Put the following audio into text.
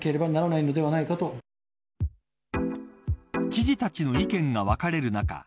知事たちの意見が分かれる中